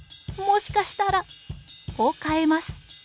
『もしかしたら』を買えます」。